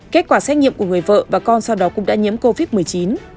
kết quả xét nghiệm của người vợ và con sau đó cũng đã nhiễm covid một mươi chín